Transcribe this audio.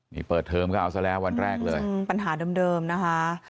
นี่เปิดเทอมก็เอาซะแล้ววันแรกเลยปัญหาเดิมนะคะ